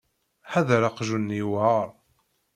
Ḥader aqjun-nni yewεer.